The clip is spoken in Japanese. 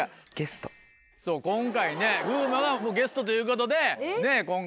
今回ね風磨はゲストということで。